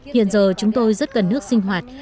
hiện giờ chúng tôi rất gần nước sinh hoạt